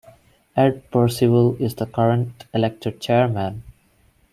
Ed Percival is the current elected chairman.